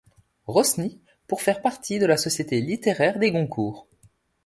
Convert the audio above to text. Rosny pour faire partie de la Société littéraire des Goncourt.